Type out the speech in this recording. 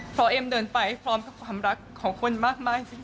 เพราะเอ็มเดินไปพร้อมกับความรักของคนมากมายจริง